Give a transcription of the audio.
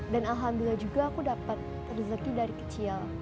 dan alhamdulillah juga aku dapat rezeki dari kecil